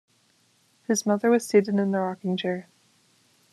His mother was seated in the rocking-chair.